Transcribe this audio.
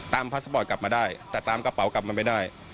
พาสปอร์ตกลับมาได้แต่ตามกระเป๋ากลับมันไม่ได้